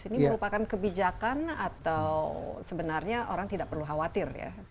ini merupakan kebijakan atau sebenarnya orang tidak perlu khawatir ya